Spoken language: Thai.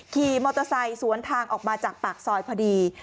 ขี่มอเตอร์ไซค์สวนทางออกมาจากปากซอยพอดี